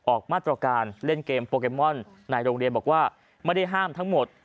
ออกมาตรการเล่นเกมโปเกมอนในโรงเรียนบอกว่าไม่ได้ห้ามทั้งหมด